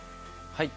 はい。